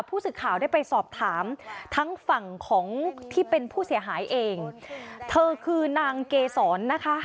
ผู้สื่อข่าวได้ไปสอบถามทั้งฝั่งของที่เป็นผู้เสียหายเองเธอคือนางเกษรนะคะ